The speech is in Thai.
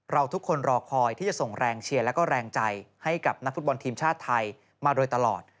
เราทุกคนรอคอยที่จะส่งแรงเชียร์แล้วก็แรงใจให้กับนักฟุตบอลทีมชาติไทยมาโดยตลอด